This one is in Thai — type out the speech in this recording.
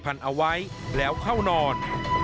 เอาไว้แล้วเข้านอน